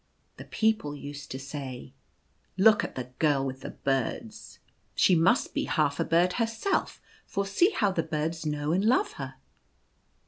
The people used to say :" Look at the girl with the birds ; she must be half a 5 o " Big Bird." bird herself, for see how the birds know and love her."